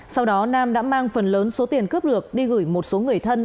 sau đó nam đã mang phần lớn số tiền cướp được đi gửi một số người thân